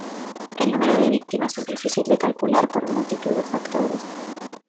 El número de víctimas es difícil de calcular por multitud de factores.